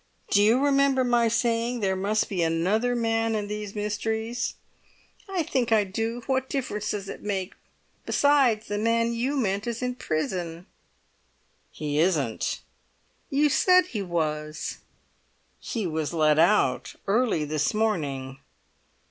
"Do you remember my saying there must be another man in these—mysteries?" "I think I do. What difference does it make? Besides, the man you meant is in prison." "He isn't!" "You said he was?" "He was let out early this morning!